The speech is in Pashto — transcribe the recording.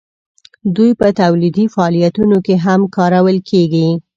دوی په تولیدي فعالیتونو کې هم کارول کیږي.